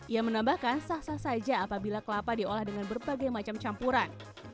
ia menambahkan sah sah saja apabila kelapa diolah dengan berbagai macam campuran